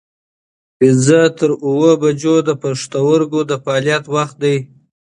پنځه تر اووه بجو د پښتورګو د فعالیت وخت دی.